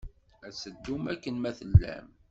Ad teddum akken ma tellam